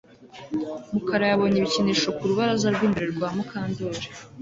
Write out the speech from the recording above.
Mukara yabonye ibikinisho ku rubaraza rwimbere rwa Mukandoli